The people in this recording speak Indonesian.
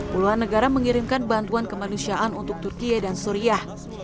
puluhan negara mengirimkan bantuan kemanusiaan untuk turkiye dan suriah